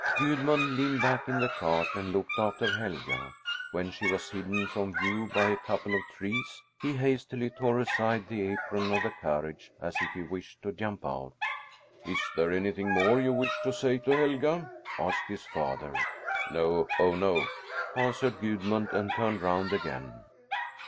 Gudmund leaned back in the cart and looked after Helga. When she was hidden from view by a couple of trees, he hastily tore aside the apron of the carriage, as if he wished to jump out. "Is there anything more you wish to say to Helga?" asked his father. "No, oh, no!" answered Gudmund and turned round again.